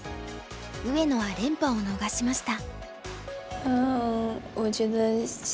上野は連覇を逃しました。